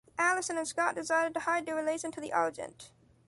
Allison and Scott decided to hide their relation to the Argent.